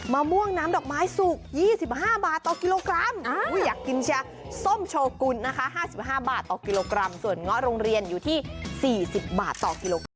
มะม่วงน้ำดอกไม้สุก๒๕บาทต่อกิโลกรัมอยากกินเชียร์ส้มโชกุลนะคะ๕๕บาทต่อกิโลกรัมส่วนเงาะโรงเรียนอยู่ที่๔๐บาทต่อกิโลกรั